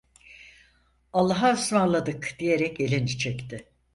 "Allahaısmarladık" diyerek elini çekti.